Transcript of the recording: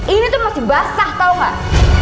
ini tuh masih basah tau gak